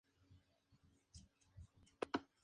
Último disco como trío.